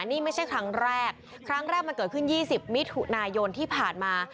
นี่ไม่ใช่ครั้งแรกครั้งแรกมันเกิดขึ้น๒๐มิถุนายนที่ผ่านมา